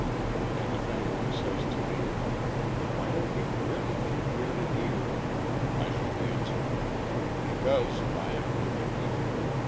And if any one says to me, 'Why are you grinning from ear to ear?' I shall answer, 'Because I am going to eat him.